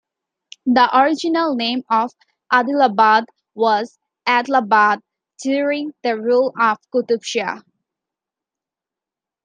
The original name of Adilabad was Edlabad during the rule of Qutub Shahis.